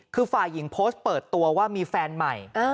คือฝ่ายหญิงโพสต์เปิดตัวว่ามีแฟนใหม่